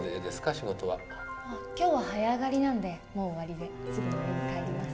仕事は。今日は早あがりなんでもう終わりですぐに家に帰ります。